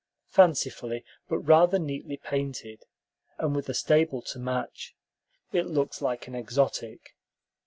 Fancifully but rather neatly painted, and with a stable to match, it looked like an exotic.